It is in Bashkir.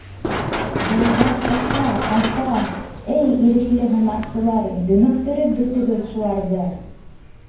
— Долдар ҡаса, ҡаса, эй, Ирекле һунарсылар, дөмөктөрөп бөтөгөҙ шуларҙы!